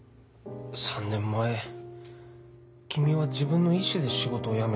３年前君は自分の意志で仕事を辞めただろう。